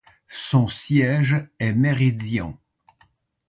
Son siège est Meridian.